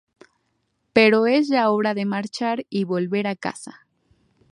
Pero es ya hora de marchar y volver a casa.